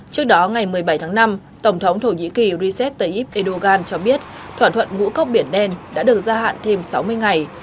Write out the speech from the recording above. trước đó ngày một mươi bảy tháng năm tổng thống thổ nhĩ kỳ recep tayyip erdogan cho biết thỏa thuận ngũ cốc biển đen đã được gia hạn thêm sáu mươi ngày